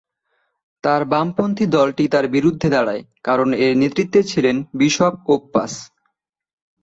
তাঁর বামপন্থী দলটি তাঁর বিরুদ্ধে দাঁড়ায় কারণ এর নেতৃত্বে ছিলেন বিশপ ওপ্পাস।